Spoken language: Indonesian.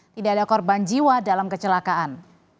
tidak ada korban jiwa dalam kecelakaan